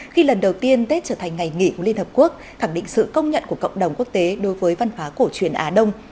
khi lần đầu tiên tết trở thành ngày nghỉ của liên hợp quốc khẳng định sự công nhận của cộng đồng quốc tế đối với văn hóa cổ truyền á đông